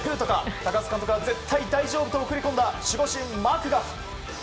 高津監督が絶対大丈夫と送り込んだ守護神マクガフ。